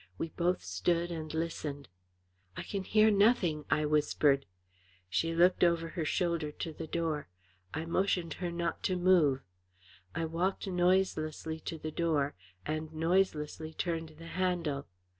We both stood and listened. "I can hear nothing," I whispered. She looked over her shoulder to the door. I motioned her not to move. I walked noiselessly to the door, and noiselessly turned the handle.